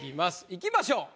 いきましょう。